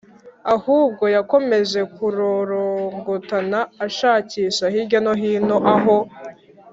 ahubwo yakomeje kurorongotana ashakisha hirya no hino aho